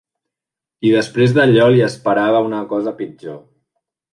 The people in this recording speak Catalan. I després d'allò, li esperava una cosa pitjor.